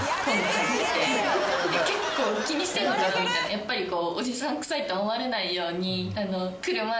やっぱりこう。